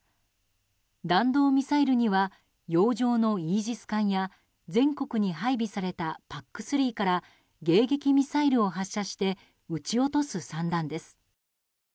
弾道ミサイルには洋上のイージス艦や全国に配備されたＰＡＣ３から迎撃ミサイルを発射して撃ち落とす算段です。